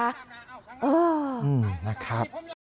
อื้อนะครับ